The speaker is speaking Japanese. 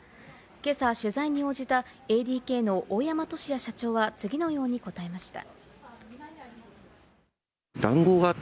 今朝、取材に応じたＡＤＫの大山俊哉社長は次のように答えました。